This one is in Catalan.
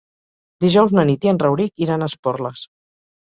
Dijous na Nit i en Rauric iran a Esporles.